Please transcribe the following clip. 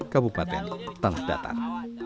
kabupaten tanah datar